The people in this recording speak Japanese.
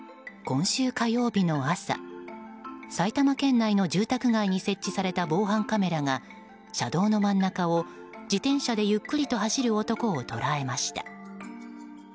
今週火曜日の朝埼玉県内の住宅街に設置された防犯カメラが車道の真ん中を自転車でゆっくりと走る男を捉えました。